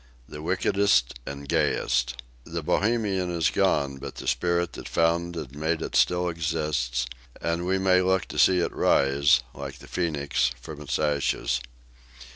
THE WICKEDEST AND GAYEST. The Bohemian is gone, but the spirit that founded and made it still exists, and we may look to see it rise, like the phoenix, from its ashes.